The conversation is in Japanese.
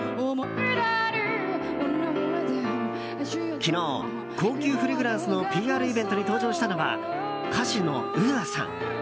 昨日、高級フレグランスのＰＲイベントに登場したのは歌手のＵＡさん。